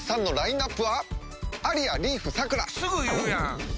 すぐ言うやん！